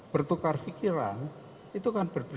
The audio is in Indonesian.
bertukar pikiran itu kan